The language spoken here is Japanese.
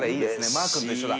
マー君と一緒だ。